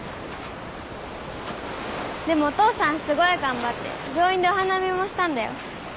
でもお父さんすごい頑張って病院でお花見もしたんだよ。